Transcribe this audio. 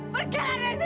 pergilah dari sini